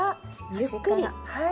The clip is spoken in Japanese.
ゆっくり。